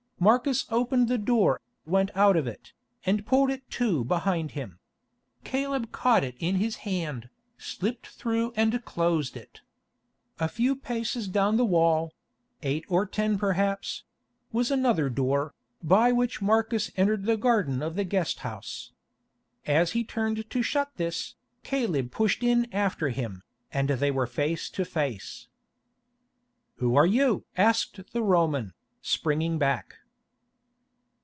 Marcus opened the door, went out of it, and pulled it to behind him. Caleb caught it in his hand, slipped through and closed it. A few paces down the wall—eight or ten perhaps—was another door, by which Marcus entered the garden of the guest house. As he turned to shut this, Caleb pushed in after him, and they were face to face. "Who are you?" asked the Roman, springing back.